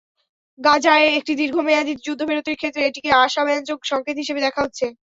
গাজায় একটি দীর্ঘমেয়াদি যুদ্ধবিরতির ক্ষেত্রে এটিকে আশাব্যঞ্জক সংকেত হিসেবে দেখা হচ্ছে।